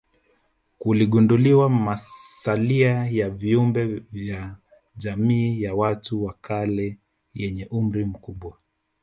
Kuligunduliwa masalia ya viumbe wa jamii ya watu wa kale yenye umri mkubwa